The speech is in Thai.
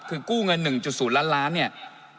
คือกู้เงิน๑๐ล้านล้านบาท